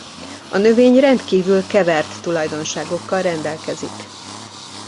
A növény rendkívül kevert tulajdonságokkal rendelkezik.